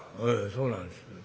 「ええそうなんです。